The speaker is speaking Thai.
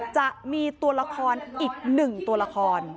จะมีตัวละครอีก๑ตัวละคร